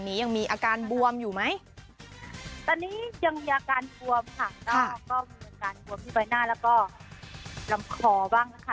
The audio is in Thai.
หัวมีใบหน้าแล้วก็ลำคอบ้างนะคะ